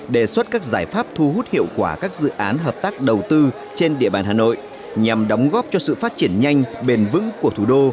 đề xuất các giải pháp thu hút hiệu quả các dự án hợp tác đầu tư trên địa bàn hà nội nhằm đóng góp cho sự phát triển nhanh bền vững của thủ đô